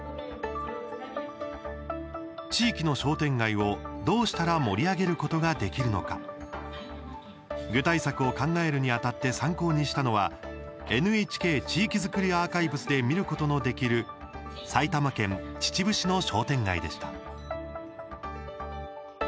地域の商店街を、どうしたら盛り上げることができるのか。具体策を考えるにあたって参考にしたのはＮＨＫ地域づくりアーカイブスで見ることのできる埼玉県秩父市の商店街でした。